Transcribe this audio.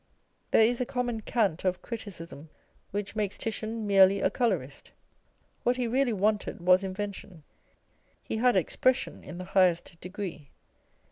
There is a common cant of criticism which makes Titian merely a colourist. What he really wanted was invention : he had expression in the highest degree.